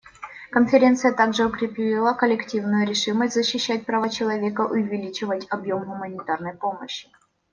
Конференция также укрепила коллективную решимость защищать права человека и увеличивать объем гуманитарной помощи.